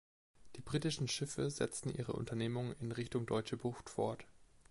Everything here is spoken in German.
Die britischen Schiffe setzen ihre Unternehmung in Richtung Deutsche Bucht fort.